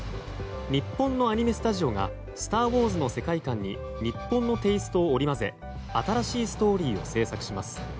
日本のアニメスタジオが「スター・ウォーズ」の世界観に日本のテイストを織り交ぜ新しいストーリーを制作します。